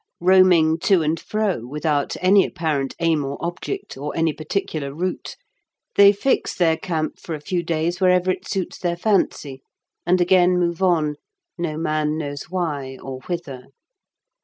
Roaming to and fro without any apparent aim or object, or any particular route, they fix their camp for a few days wherever it suits their fancy, and again move on, no man knows why or whither.